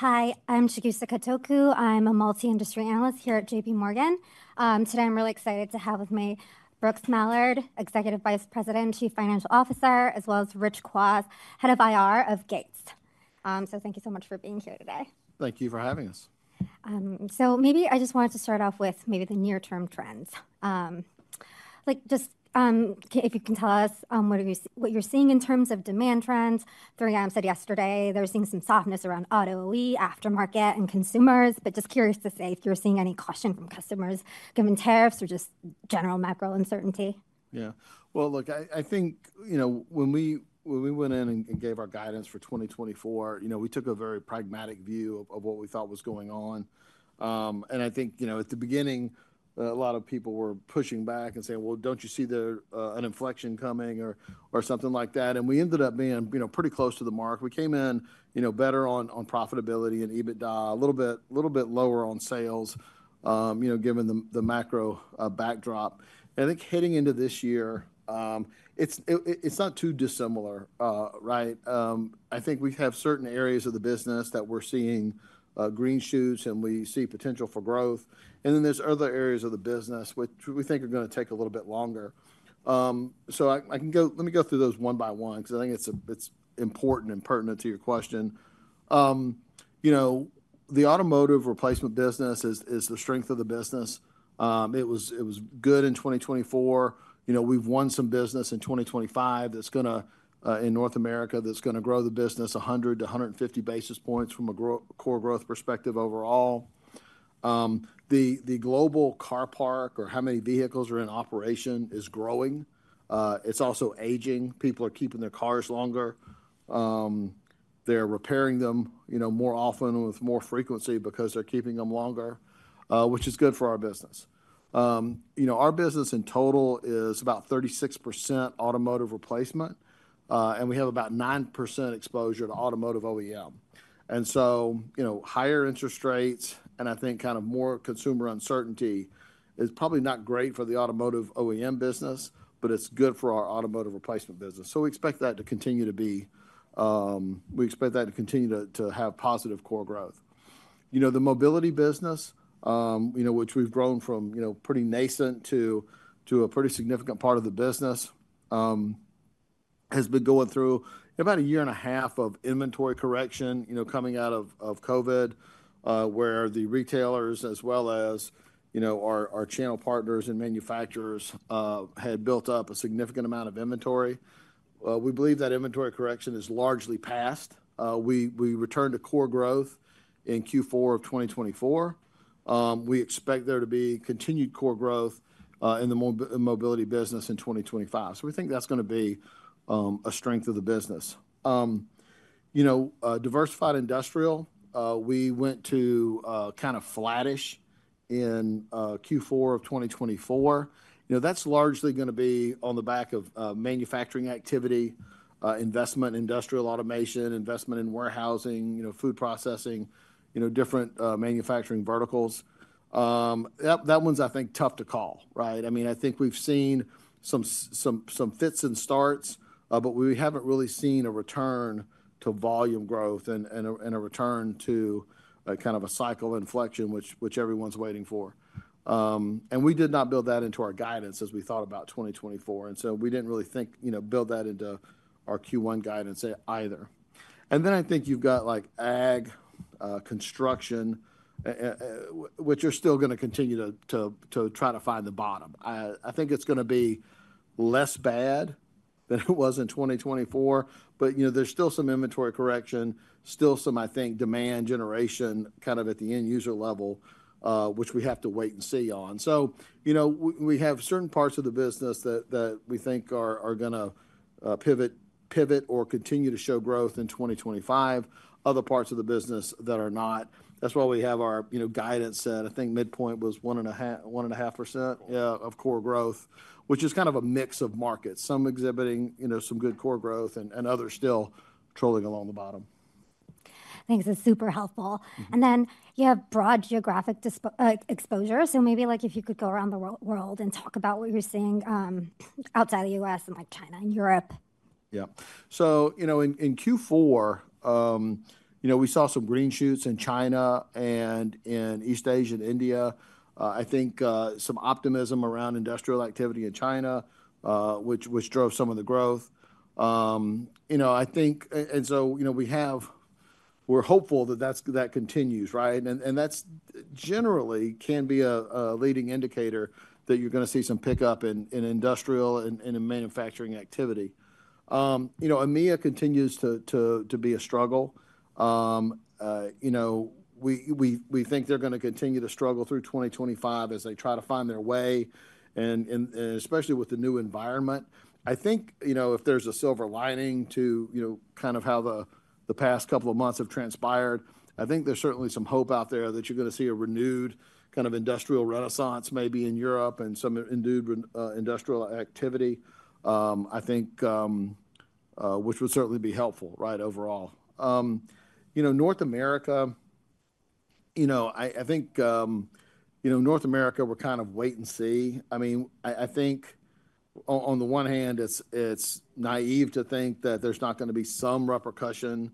Hi, I'm Chigusa Katoku. I'm a multi-industry analyst here at JPMorgan. Today, I'm really excited to have with me Brooks Mallard, Executive Vice President, Chief Financial Officer, as well as Rich Kwas, Head of IR of Gates. Thank you so much for being here today. Thank you for having us. Maybe I just wanted to start off with maybe the near-term trends. Just if you can tell us what you're seeing in terms of demand trends. Forvia said yesterday they were seeing some softness around auto OE, aftermarket, and consumers. Just curious to see if you're seeing any caution from customers given tariffs or just general macro uncertainty. Yeah. Look, I think when we went in and gave our guidance for 2024, we took a very pragmatic view of what we thought was going on. I think at the beginning, a lot of people were pushing back and saying, well, do not you see an inflection coming or something like that? We ended up being pretty close to the mark. We came in better on profitability and EBITDA, a little bit lower on sales given the macro backdrop. I think heading into this year, it is not too dissimilar. I think we have certain areas of the business that we are seeing green shoots, and we see potential for growth. There are other areas of the business which we think are going to take a little bit longer. Let me go through those one by one because I think it's important and pertinent to your question. The automotive replacement business is the strength of the business. It was good in 2024. We've won some business in 2025 in North America that's going to grow the business 100-150 basis points from a core growth perspective overall. The global car park, or how many vehicles are in operation, is growing. It's also aging. People are keeping their cars longer. They're repairing them more often with more frequency because they're keeping them longer, which is good for our business. Our business in total is about 36% automotive replacement, and we have about 9% exposure to automotive OEM. Higher interest rates and I think kind of more consumer uncertainty is probably not great for the automotive OEM business, but it's good for our automotive replacement business. We expect that to continue to be, we expect that to continue to have positive core growth. The mobility business, which we've grown from pretty nascent to a pretty significant part of the business, has been going through about a year and a half of inventory correction coming out of COVID, where the retailers, as well as our channel partners and manufacturers, had built up a significant amount of inventory. We believe that inventory correction is largely past. We returned to core growth in Q4 of 2024. We expect there to be continued core growth in the mobility business in 2025. We think that's going to be a strength of the business. Diversified industrial, we went to kind of flattish in Q4 of 2024. That's largely going to be on the back of manufacturing activity, investment in industrial automation, investment in warehousing, food processing, different manufacturing verticals. That one's, I think, tough to call. I mean, I think we've seen some fits and starts, but we haven't really seen a return to volume growth and a return to kind of a cycle inflection, which everyone's waiting for. We did not build that into our guidance as we thought about 2024. We didn't really think, build that into our Q1 guidance either. I think you've got ag, construction, which are still going to continue to try to find the bottom. I think it's going to be less bad than it was in 2024, but there's still some inventory correction, still some, I think, demand generation kind of at the end user level, which we have to wait and see on. We have certain parts of the business that we think are going to pivot or continue to show growth in 2025, other parts of the business that are not. That's why we have our guidance set. I think midpoint was 1.5% of core growth, which is kind of a mix of markets, some exhibiting some good core growth and others still trolling along the bottom. Thanks. That's super helpful. You have broad geographic exposure. Maybe if you could go around the world and talk about what you're seeing outside the U.S. and China and Europe. Yeah. In Q4, we saw some green shoots in China and in East Asia, India. I think some optimism around industrial activity in China, which drove some of the growth. We are hopeful that that continues. That generally can be a leading indicator that you're going to see some pickup in industrial and in manufacturing activity. EMEA continues to be a struggle. We think they're going to continue to struggle through 2025 as they try to find their way, especially with the new environment. I think if there's a silver lining to kind of how the past couple of months have transpired, I think there's certainly some hope out there that you're going to see a renewed kind of industrial renaissance maybe in Europe and some induced industrial activity, which would certainly be helpful overall. North America, I think North America, we're kind of wait and see. I mean, I think on the one hand, it's naive to think that there's not going to be some repercussion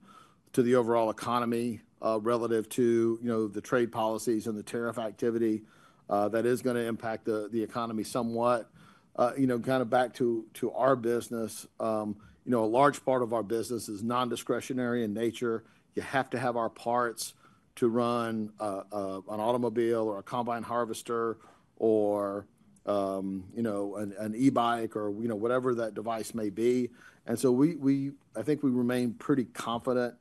to the overall economy relative to the trade policies and the tariff activity that is going to impact the economy somewhat. Kind of back to our business, a large part of our business is non-discretionary in nature. You have to have our parts to run an automobile or a combine harvester or an e-bike or whatever that device may be. I think we remain pretty confident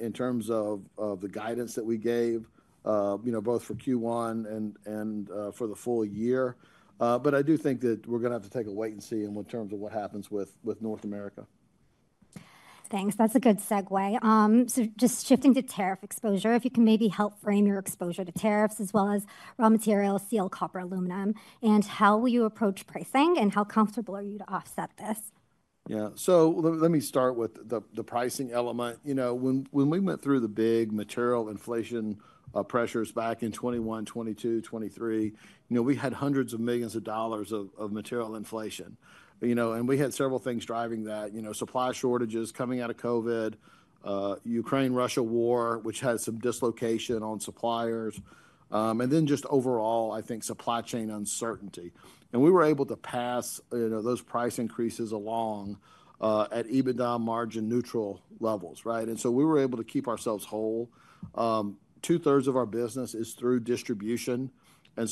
in terms of the guidance that we gave, both for Q1 and for the full year. I do think that we're going to have to take a wait and see in terms of what happens with North America. Thanks. That's a good segue. Just shifting to tariff exposure, if you can maybe help frame your exposure to tariffs as well as raw materials, steel, copper, aluminum, and how will you approach pricing and how comfortable are you to offset this? Yeah. Let me start with the pricing element. When we went through the big material inflation pressures back in 2021, 2022, 2023, we had hundreds of millions of dollars of material inflation. We had several things driving that: supply shortages coming out of COVID, Ukraine-Russia war, which had some dislocation on suppliers, and then just overall, I think, supply chain uncertainty. We were able to pass those price increases along at EBITDA margin neutral levels. We were able to keep ourselves whole. Two-thirds of our business is through distribution. We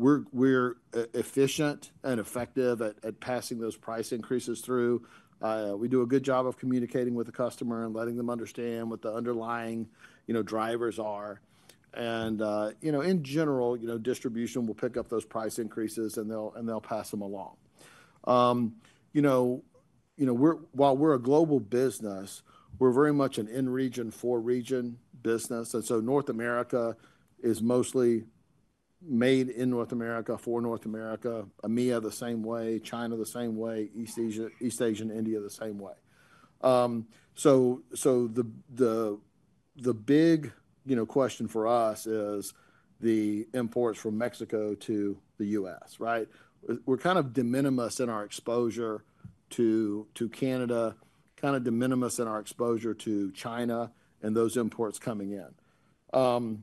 are efficient and effective at passing those price increases through. We do a good job of communicating with the customer and letting them understand what the underlying drivers are. In general, distribution will pick up those price increases and they'll pass them along. While we're a global business, we're very much an in-region, for-region business. North America is mostly made in North America for North America, EMEA the same way, China the same way, East Asia and India the same way. The big question for us is the imports from Mexico to the U.S. We're kind of de minimis in our exposure to Canada, kind of de minimis in our exposure to China and those imports coming in.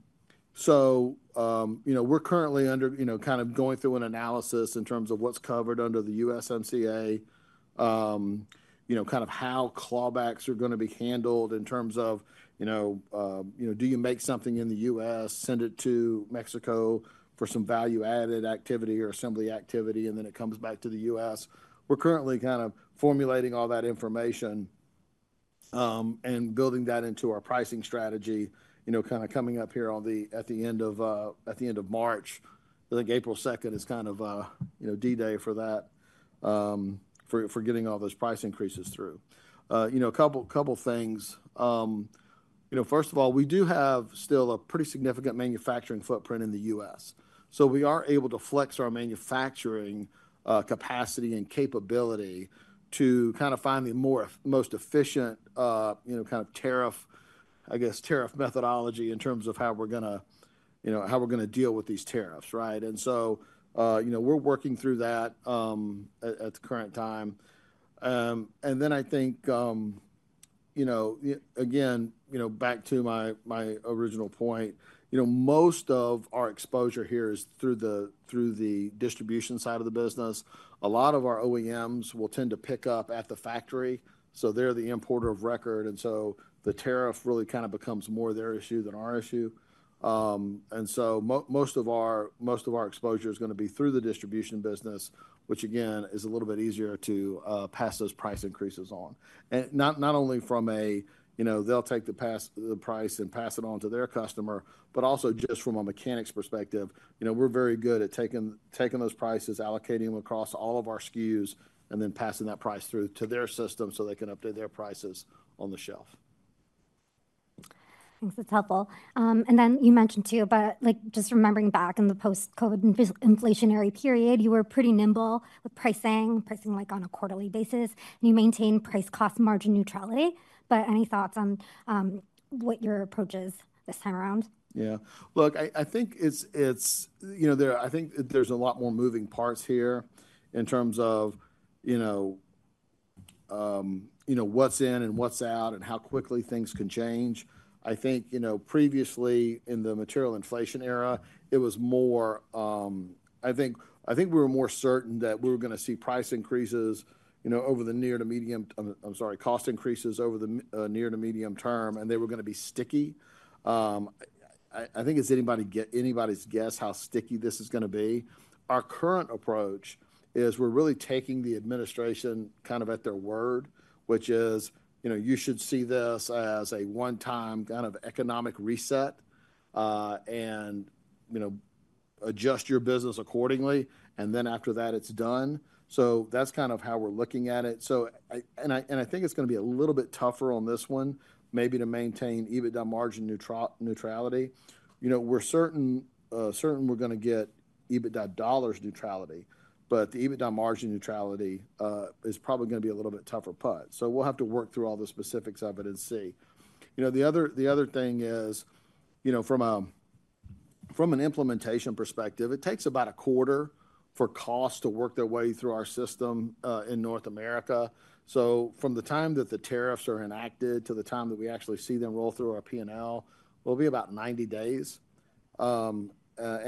We're currently kind of going through an analysis in terms of what's covered under the USMCA, kind of how clawbacks are going to be handled in terms of, do you make something in the U.S., send it to Mexico for some value-added activity or assembly activity, and then it comes back to the U.S. We're currently kind of formulating all that information and building that into our pricing strategy, kind of coming up here at the end of March. I think April 2nd is kind of D-Day for that, for getting all those price increases through. A couple of things. First of all, we do have still a pretty significant manufacturing footprint in the U.S. So we are able to flex our manufacturing capacity and capability to kind of find the most efficient kind of, I guess, tariff methodology in terms of how we're going to deal with these tariffs. We are working through that at the current time. I think, again, back to my original point, most of our exposure here is through the distribution side of the business. A lot of our OEMs will tend to pick up at the factory. So they're the importer of record. The tariff really kind of becomes more their issue than our issue. Most of our exposure is going to be through the distribution business, which, again, is a little bit easier to pass those price increases on. Not only from a, they'll take the price and pass it on to their customer, but also just from a mechanics perspective, we're very good at taking those prices, allocating them across all of our SKUs, and then passing that price through to their system so they can update their prices on the shelf. Thanks. That's helpful. You mentioned too, just remembering back in the post-COVID inflationary period, you were pretty nimble with pricing, pricing on a quarterly basis. You maintained price cost margin neutrality. Any thoughts on what your approach is this time around? Yeah. Look, I think there's a lot more moving parts here in terms of what's in and what's out and how quickly things can change. I think previously in the material inflation era, it was more, I think we were more certain that we were going to see price increases over the near to medium, I'm sorry, cost increases over the near to medium term, and they were going to be sticky. I think it's anybody's guess how sticky this is going to be. Our current approach is we're really taking the administration kind of at their word, which is you should see this as a one-time kind of economic reset and adjust your business accordingly, and after that, it's done. That's kind of how we're looking at it. I think it's going to be a little bit tougher on this one, maybe to maintain EBITDA margin neutrality. We're certain we're going to get EBITDA dollars neutrality, but the EBITDA margin neutrality is probably going to be a little bit tougher put. We will have to work through all the specifics of it and see. The other thing is from an implementation perspective, it takes about a quarter for cost to work their way through our system in North America. From the time that the tariffs are enacted to the time that we actually see them roll through our P&L, it'll be about 90 days.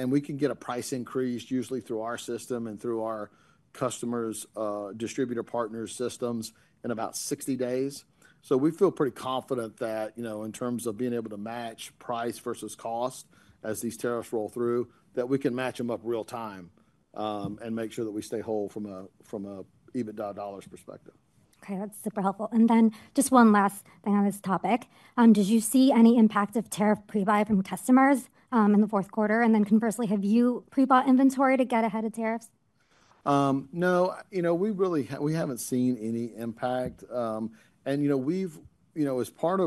We can get a price increase usually through our system and through our customers, distributor partners' systems in about 60 days. We feel pretty confident that in terms of being able to match price versus cost as these tariffs roll through, that we can match them up real time and make sure that we stay whole from an EBITDA dollars perspective. Okay. That's super helpful. Just one last thing on this topic. Did you see any impact of tariff prebuy from customers in the fourth quarter? Conversely, have you prebought inventory to get ahead of tariffs? No. We haven't seen any impact. As part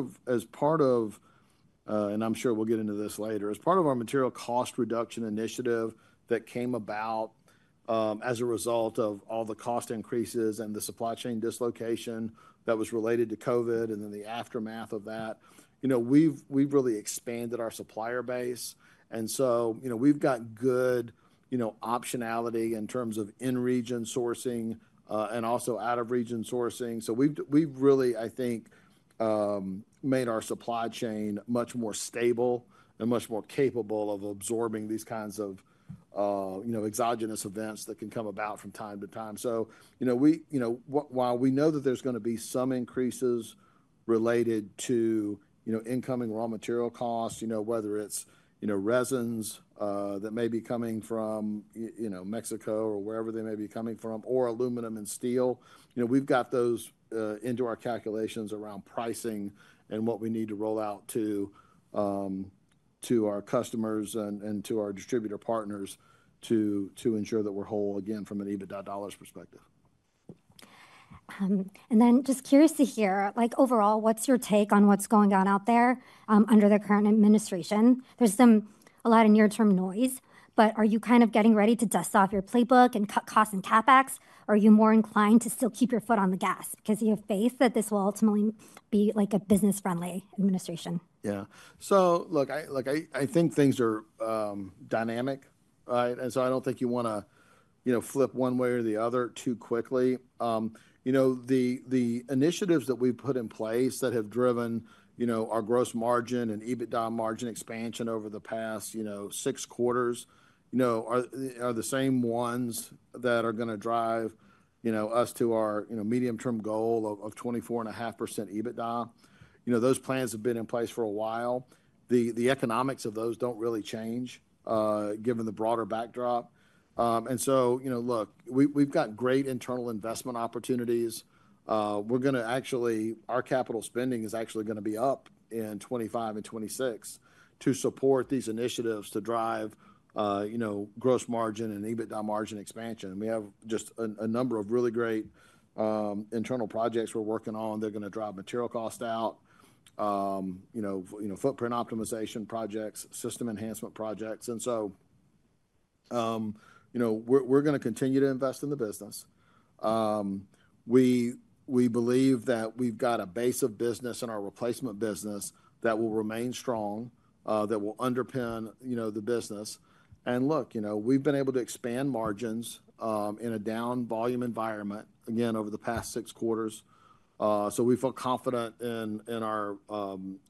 of, and I'm sure we'll get into this later, as part of our material cost reduction initiative that came about as a result of all the cost increases and the supply chain dislocation that was related to COVID and then the aftermath of that, we've really expanded our supplier base. We've got good optionality in terms of in-region sourcing and also out-of-region sourcing. We've really, I think, made our supply chain much more stable and much more capable of absorbing these kinds of exogenous events that can come about from time to time. While we know that there's going to be some increases related to incoming raw material costs, whether it's resins that may be coming from Mexico or wherever they may be coming from, or aluminum and steel, we've got those into our calculations around pricing and what we need to roll out to our customers and to our distributor partners to ensure that we're whole, again, from an EBITDA dollars perspective. Just curious to hear, overall, what's your take on what's going on out there under the current administration? There's a lot of near-term noise, but are you kind of getting ready to dust off your playbook and cut costs and CapEx? Are you more inclined to still keep your foot on the gas because you have faith that this will ultimately be a business-friendly administration? Yeah. Look, I think things are dynamic. I do not think you want to flip one way or the other too quickly. The initiatives that we have put in place that have driven our gross margin and EBITDA margin expansion over the past six quarters are the same ones that are going to drive us to our medium-term goal of 24.5% EBITDA. Those plans have been in place for a while. The economics of those do not really change given the broader backdrop. We have great internal investment opportunities. Our capital spending is actually going to be up in 2025 and 2026 to support these initiatives to drive gross margin and EBITDA margin expansion. We have just a number of really great internal projects we are working on. They are going to drive material cost out, footprint optimization projects, system enhancement projects. We are going to continue to invest in the business. We believe that we have got a base of business in our replacement business that will remain strong, that will underpin the business. Look, we have been able to expand margins in a down volume environment, again, over the past six quarters. We feel confident in our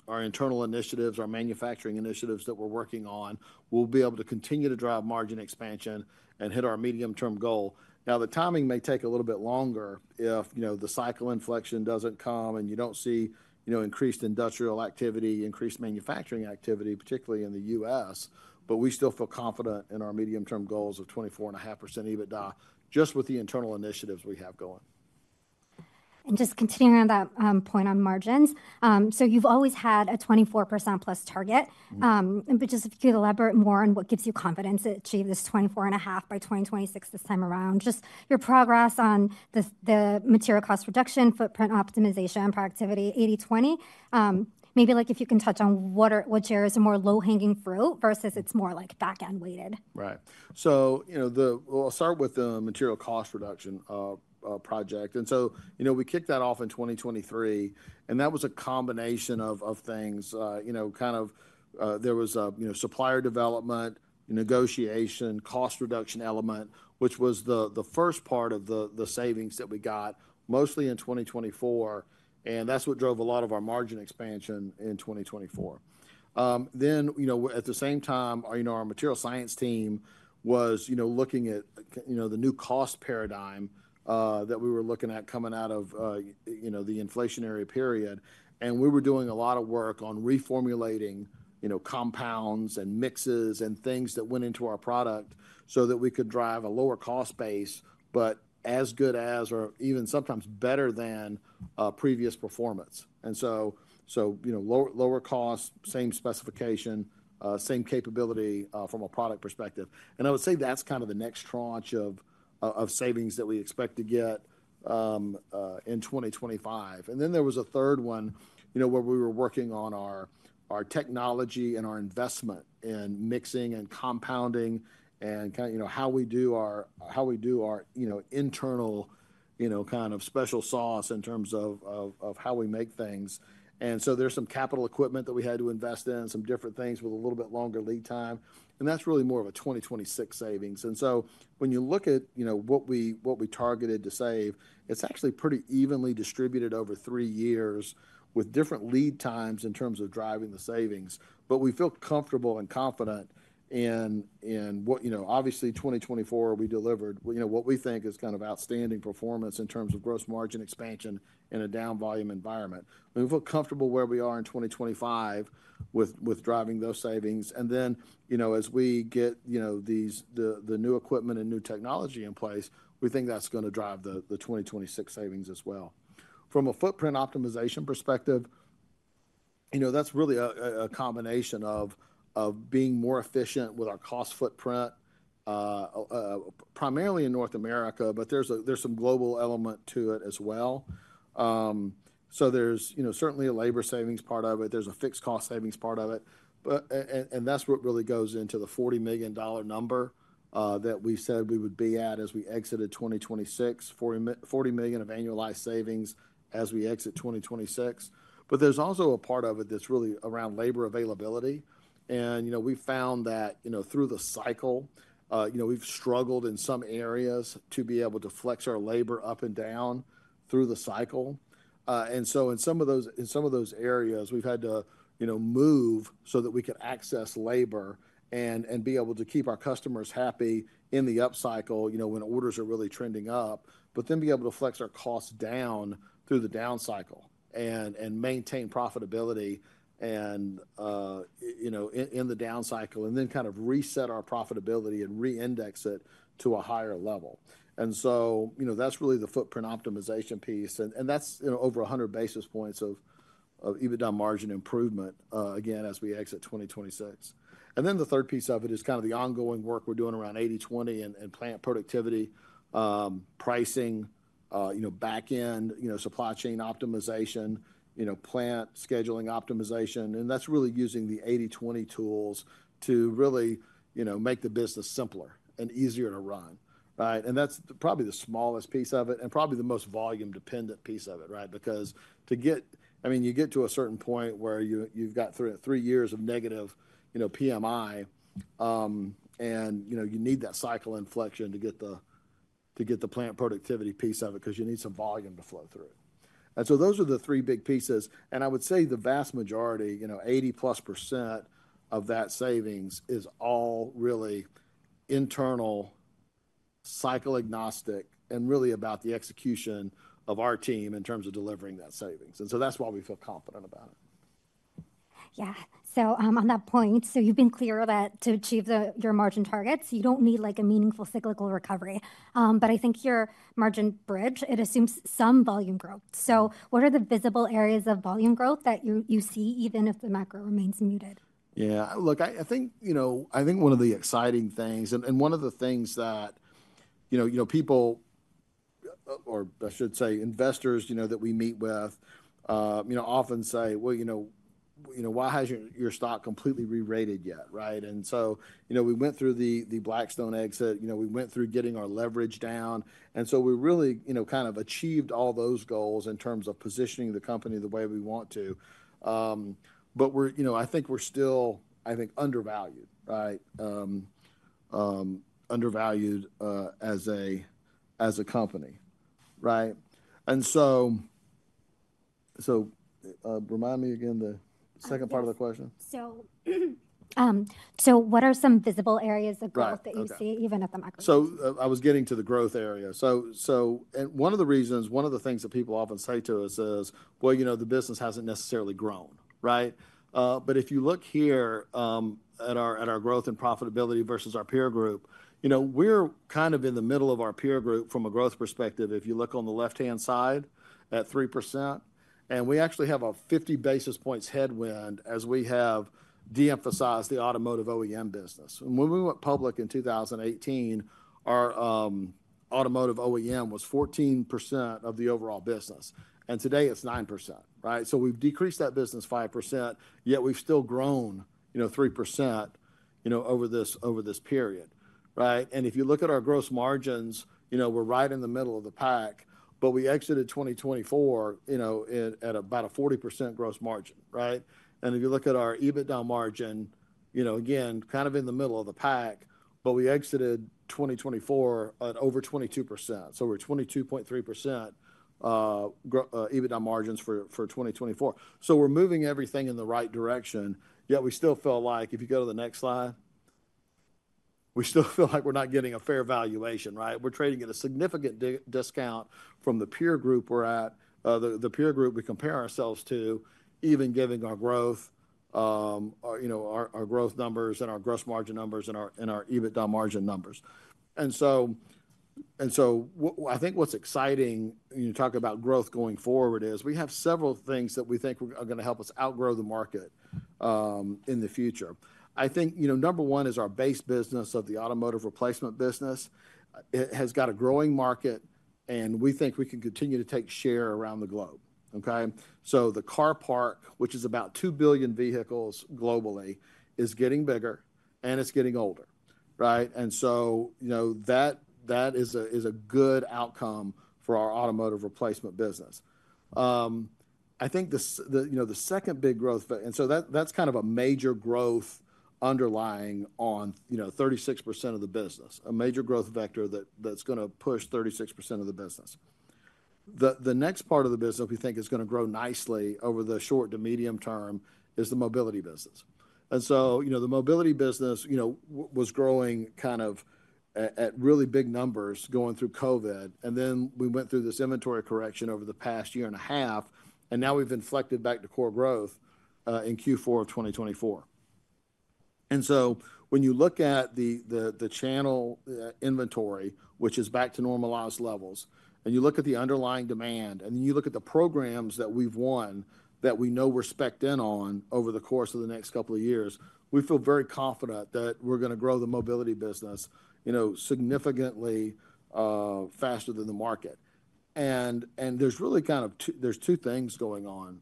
internal initiatives, our manufacturing initiatives that we are working on. We will be able to continue to drive margin expansion and hit our medium-term goal. Now, the timing may take a little bit longer if the cycle inflection does not come and you do not see increased industrial activity, increased manufacturing activity, particularly in the U.S. We still feel confident in our medium-term goals of 24.5% EBITDA just with the internal initiatives we have going. Just continuing on that point on margins. You've always had a 24% plus target, but if you could elaborate more on what gives you confidence to achieve this 24.5% by 2026 this time around, just your progress on the material cost reduction, footprint optimization, productivity, 80/20, maybe if you can touch on which areas are more low-hanging fruit versus it's more back-end weighted. Right. I'll start with the material cost reduction project. We kicked that off in 2023, and that was a combination of things. Kind of there was supplier development, negotiation, cost reduction element, which was the first part of the savings that we got mostly in 2024. That's what drove a lot of our margin expansion in 2024. At the same time, our material science team was looking at the new cost paradigm that we were looking at coming out of the inflationary period. We were doing a lot of work on reformulating compounds and mixes and things that went into our product so that we could drive a lower cost base, but as good as or even sometimes better than previous performance. Lower cost, same specification, same capability from a product perspective. I would say that's kind of the next tranche of savings that we expect to get in 2025. There was a third one where we were working on our technology and our investment in mixing and compounding and kind of how we do our internal kind of special sauce in terms of how we make things. There is some capital equipment that we had to invest in, some different things with a little bit longer lead time. That is really more of a 2026 savings. When you look at what we targeted to save, it's actually pretty evenly distributed over three years with different lead times in terms of driving the savings. We feel comfortable and confident in what, obviously, 2024, we delivered what we think is kind of outstanding performance in terms of gross margin expansion in a down volume environment. We feel comfortable where we are in 2025 with driving those savings. As we get the new equipment and new technology in place, we think that's going to drive the 2026 savings as well. From a footprint optimization perspective, that's really a combination of being more efficient with our cost footprint, primarily in North America, but there's some global element to it as well. There is certainly a labor savings part of it. There is a fixed cost savings part of it. That is what really goes into the $40 million number that we said we would be at as we exited 2026, $40 million of annualized savings as we exit 2026. There is also a part of it that's really around labor availability. We found that through the cycle, we've struggled in some areas to be able to flex our labor up and down through the cycle. In some of those areas, we've had to move so that we could access labor and be able to keep our customers happy in the upcycle when orders are really trending up, but then be able to flex our costs down through the downcycle and maintain profitability in the downcycle and then kind of reset our profitability and re-index it to a higher level. That's really the footprint optimization piece. That's over 100 basis points of EBITDA margin improvement, again, as we exit 2026. The third piece of it is kind of the ongoing work we're doing around 80/20 and plant productivity, pricing, back-end supply chain optimization, plant scheduling optimization. That's really using the 80/20 tools to really make the business simpler and easier to run. That's probably the smallest piece of it and probably the most volume-dependent piece of it, right. Because, I mean, you get to a certain point where you've got three years of negative PMI, and you need that cycle inflection to get the plant productivity piece of it because you need some volume to flow through it. Those are the three big pieces. I would say the vast majority, 80% plus of that savings, is all really internal, cycle agnostic, and really about the execution of our team in terms of delivering that savings. That's why we feel confident about it. Yeah. On that point, you've been clear that to achieve your margin targets, you don't need a meaningful cyclical recovery. I think your margin bridge assumes some volume growth. What are the visible areas of volume growth that you see even if the macro remains muted? Yeah. Look, I think one of the exciting things and one of the things that people, or I should say investors that we meet with often say, "Well, why hasn't your stock completely re-rated yet?" Right. We went through the Blackstone exit. We went through getting our leverage down. We really kind of achieved all those goals in terms of positioning the company the way we want to. I think we're still, I think, undervalued, right. Undervalued as a company. Right. Remind me again the second part of the question. What are some visible areas of growth that you see even at the macro? I was getting to the growth area. One of the reasons, one of the things that people often say to us is, "Well, the business hasn't necessarily grown." Right. If you look here at our growth and profitability versus our peer group, we're kind of in the middle of our peer group from a growth perspective. If you look on the left-hand side at 3%, and we actually have a 50 basis points headwind as we have de-emphasized the automotive OEM business. When we went public in 2018, our automotive OEM was 14% of the overall business. Today it's 9%. Right. We've decreased that business 5%, yet we've still grown 3% over this period. Right. If you look at our gross margins, we're right in the middle of the pack, but we exited 2024 at about a 40% gross margin. Right. If you look at our EBITDA margin, again, kind of in the middle of the pack, but we exited 2024 at over 22%. We are 22.3% EBITDA margins for 2024. We are moving everything in the right direction, yet we still feel like if you go to the next slide, we still feel like we are not getting a fair valuation. Right. We are trading at a significant discount from the peer group we are at, the peer group we compare ourselves to, even given our growth, our growth numbers and our gross margin numbers and our EBITDA margin numbers. I think what is exciting when you talk about growth going forward is we have several things that we think are going to help us outgrow the market in the future. I think number one is our base business of the automotive replacement business. It has got a growing market, and we think we can continue to take share around the globe. Okay. The car park, which is about 2 billion vehicles globally, is getting bigger, and it's getting older. Right. That is a good outcome for our automotive replacement business. I think the second big growth, and so that's kind of a major growth underlying on 36% of the business, a major growth vector that's going to push 36% of the business. The next part of the business we think is going to grow nicely over the short to medium term is the mobility business. The mobility business was growing kind of at really big numbers going through COVID. We went through this inventory correction over the past year and a half, and now we've inflected back to core growth in Q4 of 2024. When you look at the channel inventory, which is back to normalized levels, and you look at the underlying demand, and then you look at the programs that we've won that we know we're spec'd in on over the course of the next couple of years, we feel very confident that we're going to grow the mobility business significantly faster than the market. There are really kind of two things going on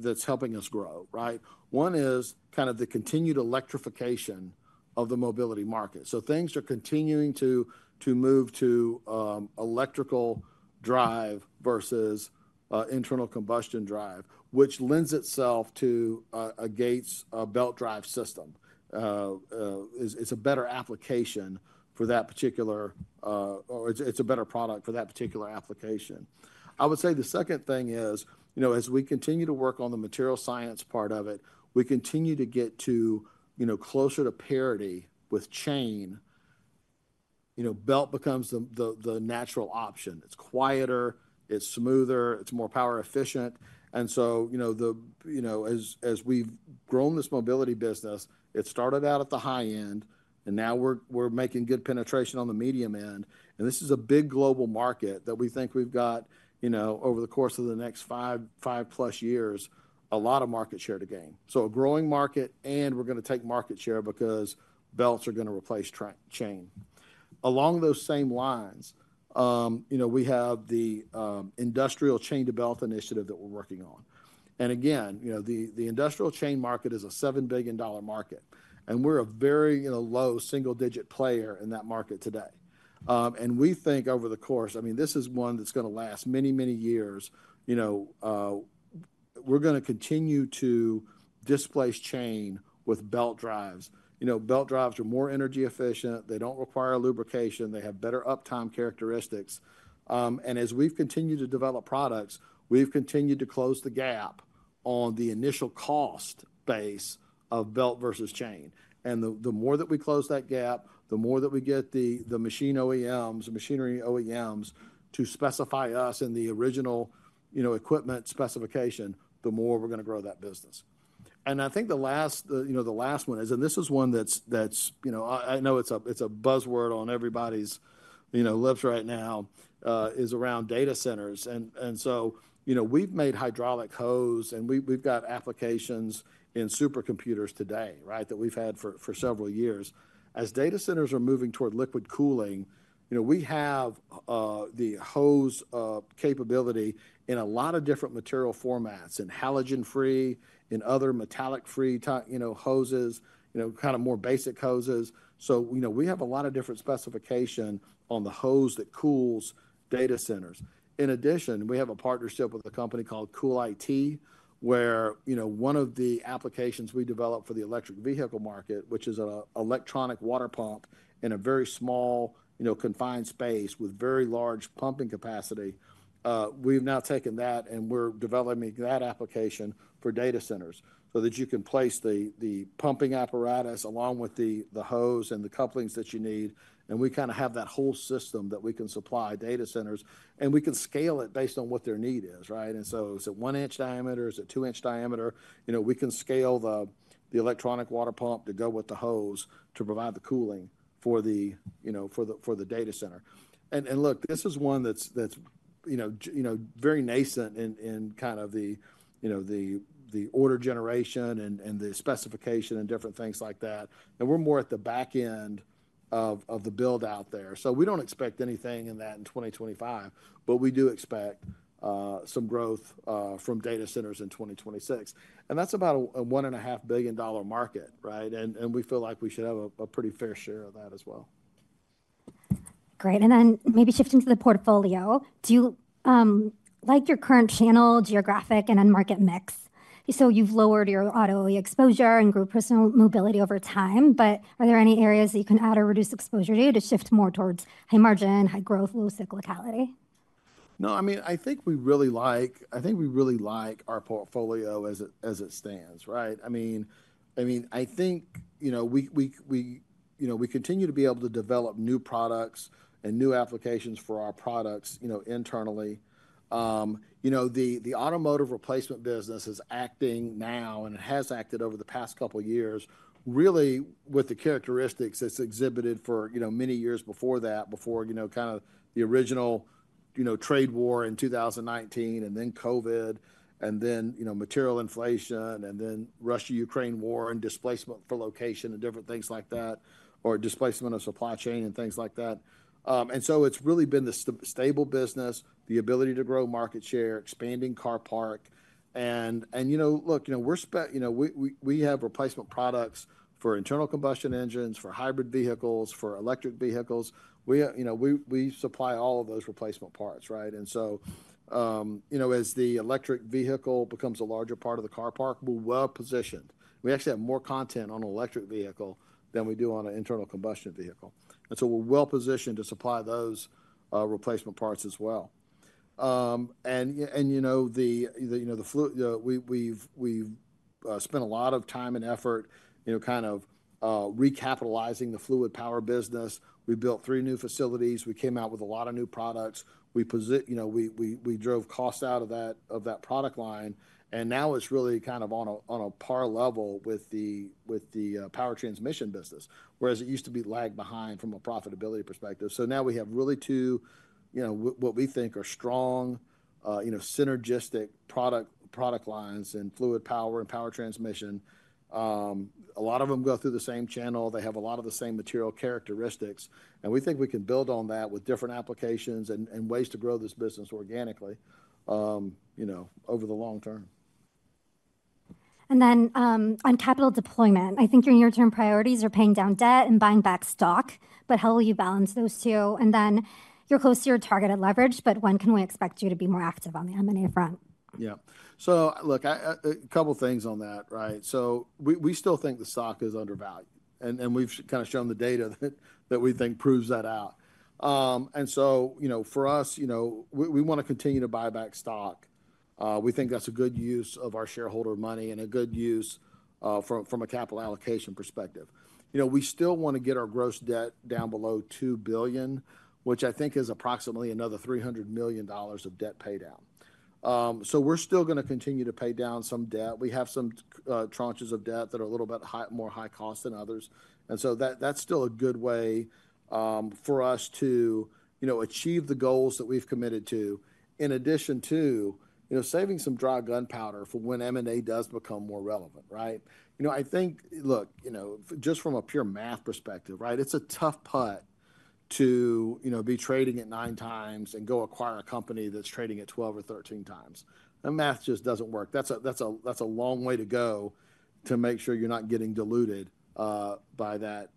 that's helping us grow. Right. One is kind of the continued electrification of the mobility market. Things are continuing to move to electrical drive versus internal combustion drive, which lends itself to a Gates belt drive system. It's a better application for that particular, or it's a better product for that particular application. I would say the second thing is, as we continue to work on the material science part of it, we continue to get closer to parity with chain. Belt becomes the natural option. It's quieter, it's smoother, it's more power efficient. As we've grown this mobility business, it started out at the high end, and now we're making good penetration on the medium end. This is a big global market that we think we've got over the course of the next five plus years a lot of market share to gain. A growing market, and we're going to take market share because belts are going to replace chain. Along those same lines, we have the industrial chain to belt initiative that we're working on. Again, the industrial chain market is a $7 billion market, and we're a very low single-digit player in that market today. We think over the course, I mean, this is one that's going to last many, many years. We're going to continue to displace chain with belt drives. Belt drives are more energy efficient. They don't require lubrication. They have better uptime characteristics. As we've continued to develop products, we've continued to close the gap on the initial cost base of belt versus chain. The more that we close that gap, the more that we get the machine OEMs, machinery OEMs to specify us in the original equipment specification, the more we're going to grow that business. I think the last one is, and this is one that I know it's a buzzword on everybody's lips right now, is around data centers. We've made hydraulic hose, and we've got applications in supercomputers today, right, that we've had for several years. As data centers are moving toward liquid cooling, we have the hose capability in a lot of different material formats, in halogen-free, in other metallic-free hoses, kind of more basic hoses. We have a lot of different specifications on the hose that cools data centers. In addition, we have a partnership with a company called CoolIT, where one of the applications we developed for the electric vehicle market, which is an electronic water pump in a very small confined space with very large pumping capacity, we've now taken that and we're developing that application for data centers so that you can place the pumping apparatus along with the hose and the couplings that you need. We kind of have that whole system that we can supply data centers, and we can scale it based on what their need is. Right. Is it one-inch diameter. Is it 2-inch diameter? We can scale the electronic water pump to go with the hose to provide the cooling for the data center. Look, this is one that's very nascent in kind of the order generation and the specification and different things like that. We are more at the back end of the build out there. We do not expect anything in that in 2025, but we do expect some growth from data centers in 2026. That is about a $1.5 billion market, right? We feel like we should have a pretty fair share of that as well. Great. Maybe shifting to the portfolio, do you like your current channel, geographic, and end market mix? You have lowered your auto exposure and grew personal mobility over time, but are there any areas that you can add or reduce exposure to to shift more towards high margin, high growth, low cyclicality? No, I mean, I think we really like, I think we really like our portfolio as it stands, right. I mean, I think we continue to be able to develop new products and new applications for our products internally. The automotive replacement business is acting now, and it has acted over the past couple of years, really with the characteristics it's exhibited for many years before that, before kind of the original trade war in 2019, and then COVID, and then material inflation, and then Russia-Ukraine war and displacement for location and different things like that, or displacement of supply chain and things like that. It has really been the stable business, the ability to grow market share, expanding car park. Look, we have replacement products for internal combustion engines, for hybrid vehicles, for electric vehicles. We supply all of those replacement parts, right. As the electric vehicle becomes a larger part of the car park, we're well positioned. We actually have more content on an electric vehicle than we do on an internal combustion vehicle. We're well positioned to supply those replacement parts as well. We've spent a lot of time and effort kind of recapitalizing the fluid power business. We built three new facilities. We came out with a lot of new products. We drove costs out of that product line. Now it's really kind of on a par level with the power transmission business, whereas it used to be lagged behind from a profitability perspective. Now we have really two what we think are strong, synergistic product lines in fluid power and power transmission. A lot of them go through the same channel. They have a lot of the same material characteristics. We think we can build on that with different applications and ways to grow this business organically over the long term. On capital deployment, I think your near-term priorities are paying down debt and buying back stock, but how will you balance those two? You are close to your targeted leverage, but when can we expect you to be more active on the M&A front? Yeah. Look, a couple of things on that, right. We still think the stock is undervalued, and we've kind of shown the data that we think proves that out. For us, we want to continue to buy back stock. We think that's a good use of our shareholder money and a good use from a capital allocation perspective. We still want to get our gross debt down below $2 billion, which I think is approximately another $300 million of debt paydown. We're still going to continue to pay down some debt. We have some tranches of debt that are a little bit more high cost than others. That's still a good way for us to achieve the goals that we've committed to, in addition to saving some dry gunpowder for when M&A does become more relevant, right. I think, look, just from a pure math perspective, right, it's a tough putt to be trading at 9x and go acquire a company that's trading at 12x or 13x. That math just doesn't work. That's a long way to go to make sure you're not getting diluted by that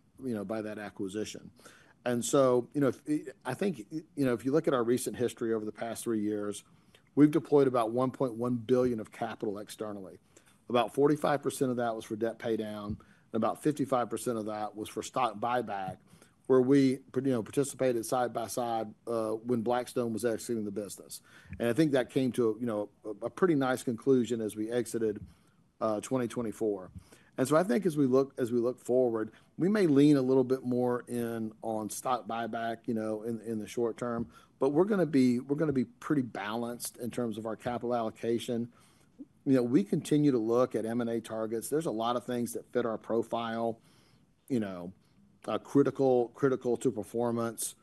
acquisition. I think if you look at our recent history over the past three years, we've deployed about $1.1 billion of capital externally. About 45% of that was for debt paydown, and about 55% of that was for stock buyback, where we participated side by side when Blackstone was exiting the business. I think that came to a pretty nice conclusion as we exited 2024. I think as we look forward, we may lean a little bit more in on stock buyback in the short term, but we're going to be pretty balanced in terms of our capital allocation. We continue to look at M&A targets. There's a lot of things that fit our profile, critical to performance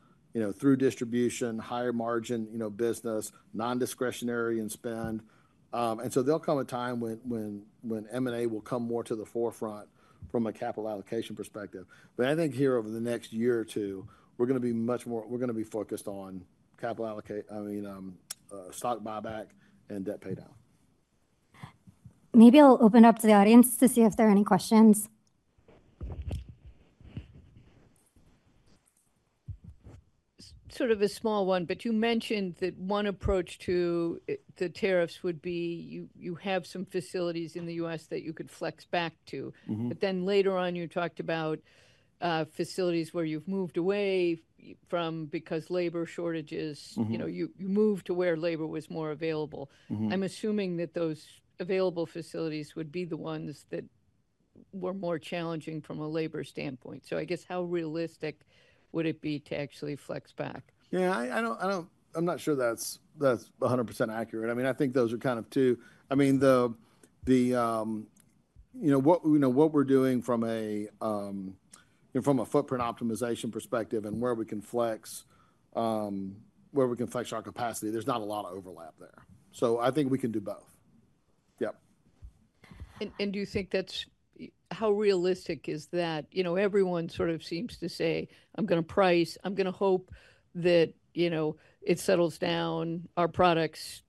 through distribution, higher margin business, non-discretionary and spend. There'll come a time when M&A will come more to the forefront from a capital allocation perspective. I think here over the next year or two, we're going to be much more focused on capital allocation, I mean, stock buyback and debt paydown. Maybe I'll open up to the audience to see if there are any questions. Sort of a small one, but you mentioned that one approach to the tariffs would be you have some facilities in the U.S. that you could flex back to. Later on, you talked about facilities where you've moved away from because labor shortages. You moved to where labor was more available. I'm assuming that those available facilities would be the ones that were more challenging from a labor standpoint. I guess how realistic would it be to actually flex back? Yeah, I'm not sure that's 100% accurate. I mean, I think those are kind of two. I mean, what we're doing from a footprint optimization perspective and where we can flex, where we can flex our capacity, there's not a lot of overlap there. I think we can do both. Yep. Do you think that's how realistic is that? Everyone sort of seems to say, "I'm going to price. I'm going to hope that it settles down. Our products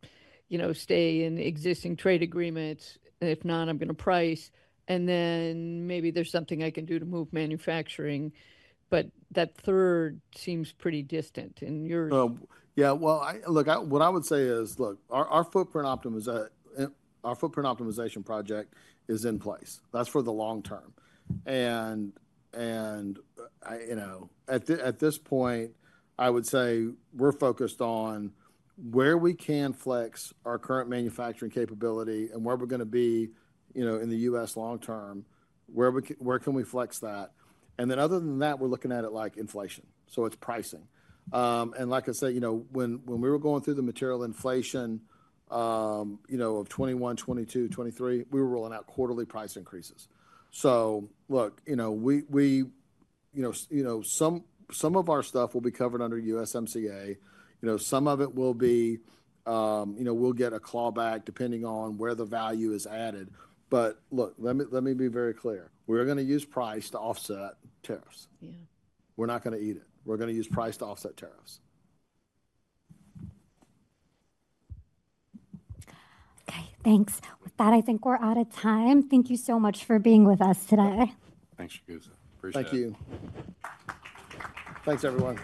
stay in existing trade agreements. If not, I'm going to price. And then maybe there's something I can do to move manufacturing." That third seems pretty distant. You're. Yeah. Look, what I would say is, look, our footprint optimization project is in place. That is for the long term. At this point, I would say we are focused on where we can flex our current manufacturing capability and where we are going to be in the U.S. long term, where can we flex that? Other than that, we are looking at it like inflation. It is pricing. Like I said, when we were going through the material inflation of 2021, 2022, 2023, we were rolling out quarterly price increases. Some of our stuff will be covered under USMCA. Some of it will be we will get a clawback depending on where the value is added. Let me be very clear. We are going to use price to offset tariffs. We are not going to eat it. We are going to use price to offset tariffs. Okay. Thanks. With that, I think we're out of time. Thank you so much for being with us today. Thanks, Chigusa. Appreciate it. Thank you. Thanks, everyone.